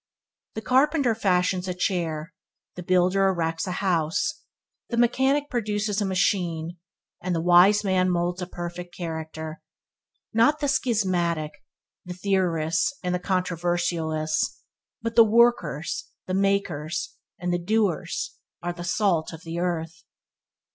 The carpenter fashions a chair; the builder erects a house; the mechanic produces a machine; and the wise man moulds a perfect character. Not the schismatic, the theorists and the controversialists, but the workers, the makers, and the doers are the salt of the earth.